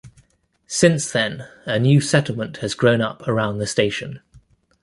Since then, a new settlement has grown up around the station.